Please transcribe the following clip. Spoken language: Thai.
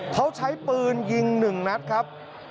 เขาใช้ปืนยิง๑นัดครับ